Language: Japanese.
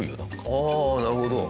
ああなるほど。